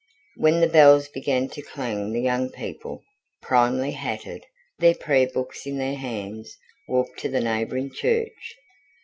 When the bells began to clang the young people, primly hatted, their prayer books in their hands, walked to the neighbouring church.